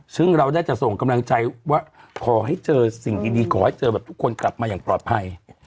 ซึ่งเราได้จะส่งกำลังใจว่าขอให้เจอสิ่งดีขอให้เจอแบบทุกคนกลับมาอย่างปลอดภัย